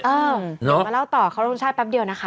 เออเดี๋ยวมาเล่าต่อเข้าระทุนชาติแป๊บเดียวนะคะ